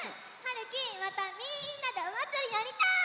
るきまたみんなでおまつりやりたい！